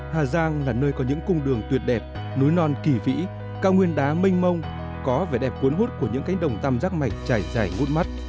hà giang là nơi có những cung đường tuyệt đẹp núi non kỳ vĩ cao nguyên đá mênh mông có vẻ đẹp cuốn hút của những cánh đồng tam giác mạch trải dài ngút mắt